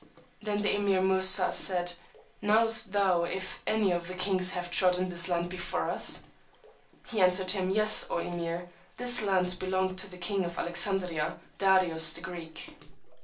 Then the Emeer Moosà said, Knowest thou if any one of the Kings have trodden this land before us? He answered him, Yes, O Emeer: this land belonged to the King of Alexandria, Darius the Greek.